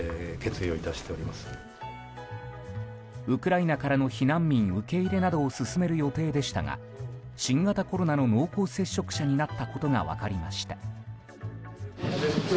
ウクライナからの避難民受け入れなどを進める予定でしたが新型コロナの濃厚接触者になったことが分かりました。